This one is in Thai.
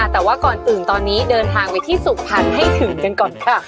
แต่ว่าก่อนอื่นตอนนี้เดินทางไปที่สุพรรณให้ถึงกันก่อนค่ะ